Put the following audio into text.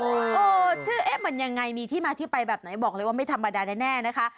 เออชื่อเอ๊ะมันยังไงมีที่มาที่ไปแบบไหนบอกเลยว่าไม่ธรรมดาแน่นะคะ